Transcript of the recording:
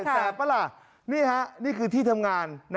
แต่แปลล่ะนี่คือที่ทำงาน